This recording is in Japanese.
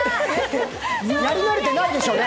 やり慣れてないでしょうね。